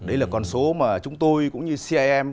đây là con số mà chúng tôi cũng như cim